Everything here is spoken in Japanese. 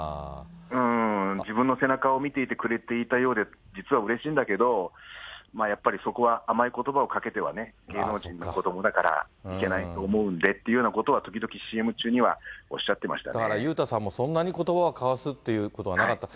自分の背中を見ていてくれていたようで実はうれしいんだけど、やっぱりそこは甘いことばをかけてはね、芸能人の子どもだから、いけないと思うんでっていうようなことは、時々、ＣＭ中にはおっだから裕太さんも、そんなにことばを交わすことはなかったと。